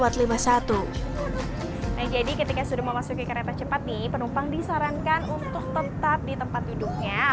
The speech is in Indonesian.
nah jadi ketika sudah memasuki kereta cepat nih penumpang disarankan untuk tetap di tempat duduknya